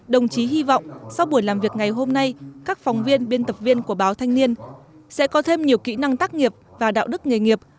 đồng chí hy vọng sau buổi làm việc ngày hôm nay các phóng viên biên tập viên của báo thanh niên sẽ có thêm nhiều kỹ năng tác nghiệp và đạo đức nghề nghiệp